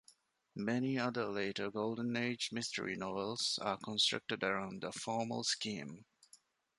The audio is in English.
Many other later Golden Age mystery novels are constructed around a formal scheme.